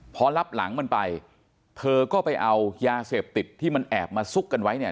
พอรับหลังมันไปเธอก็ไปเอายาเสพติดที่มันแอบมาซุกกันไว้เนี่ย